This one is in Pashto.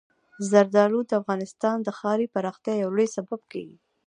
زردالو د افغانستان د ښاري پراختیا یو لوی سبب کېږي.